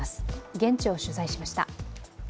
現地を取材しました。